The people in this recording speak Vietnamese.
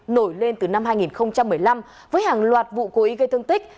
nổi lên từ năm hai nghìn một mươi năm với hàng loạt vụ cố ý gây thương tích